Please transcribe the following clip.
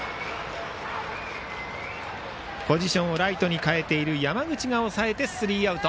ポジションをライトに代えている山口が抑えてスリーアウト。